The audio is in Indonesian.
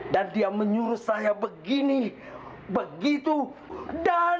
dan dia menyuruh saya begini begitu dan